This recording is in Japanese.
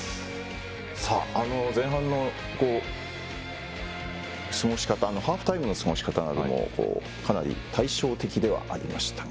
前半の過ごし方ハーフタイムの過ごし方もかなり対照的ではありましたが。